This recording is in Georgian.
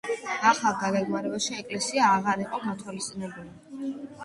ახალ დაგეგმარებაში ეკლესია აღარ იყო გათვალისწინებული.